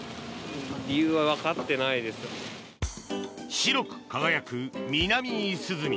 白く輝くミナミイスズミ。